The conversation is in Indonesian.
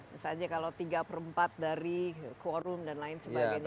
misalnya kalau tiga per empat dari quorum dan lain sebagainya